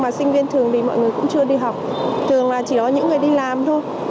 và sinh viên thường thì mọi người cũng chưa đi học thường là chỉ có những người đi làm thôi